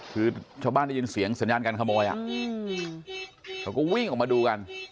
คือชาวบ้านได้ยินเสียงสัญญาการขโมยเขาก็วิ่งออกมาดูกัน